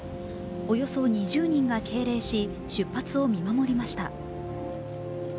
およそ２０人が敬礼し出発を見守りました。